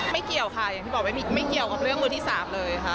เกี่ยวค่ะอย่างที่บอกไม่เกี่ยวกับเรื่องมือที่๓เลยค่ะ